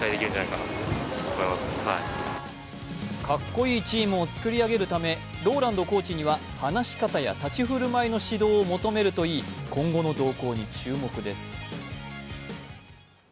かっこいいチームを作り上げるため、ＲＯＬＡＮＤコーチには話し方や立ち振る舞いの指導を求めるといい今後の動向に注目です。